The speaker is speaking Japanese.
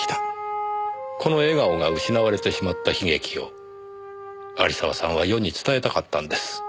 この笑顔が失われてしまった悲劇を有沢さんは世に伝えたかったんです。